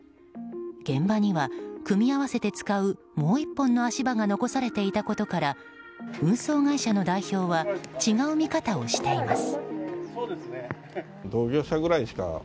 現場には組み合わせて使うもう１本の足場が残されていたことから運送会社の代表は違う見方をしています。